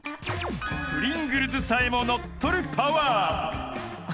［プリングルズさえも乗っ取るパワー］